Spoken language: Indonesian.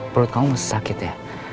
pelut kamu masih sakit ya